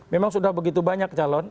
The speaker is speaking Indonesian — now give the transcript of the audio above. memang sudah begitu banyak calon